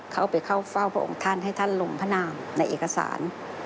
เข้าไปเข้าเฝ้าพระองค์ท่านให้ท่านลงพระนามในเอกสาร